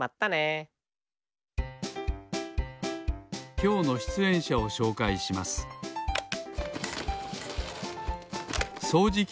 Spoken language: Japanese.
きょうのしゅつえんしゃをしょうかいしますパチッ。